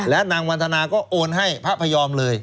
และนางวันธนาก็โอนให้พระพยอมเลย